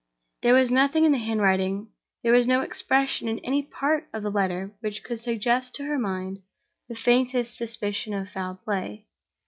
There was nothing in the handwriting, there was no expression in any part of the letter which could suggest to her mind the faintest suspicion of foul play.